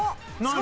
何？